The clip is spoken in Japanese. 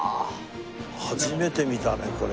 初めて見たねこれ。